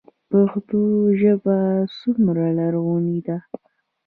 پښتو ژبه څومره لرغونې ده؟